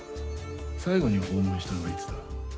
最後に訪問したのはいつだ？